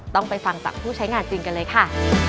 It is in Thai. ต้องไปฟังจากผู้ใช้งานจริงกันเลยค่ะ